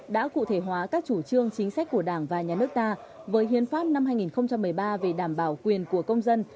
đã cụ thể hóa các chủ trương chính sách của đảng và nhà nước ta với hiến pháp năm hai nghìn một mươi ba về đảm bảo quyền của công dân